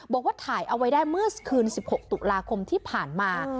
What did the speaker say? บอกว่าถ่ายเอาไว้ได้เมื่อคืน๑๖ตุลาคมที่ผ่านมา